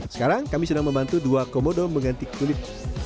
sekarang kami sedang membantu dua komodo mengganti kulit